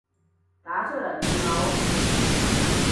打出來字母